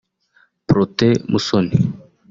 Protais Musoni